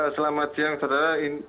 selamat siang saudara